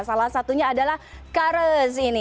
salah satunya adalah kares ini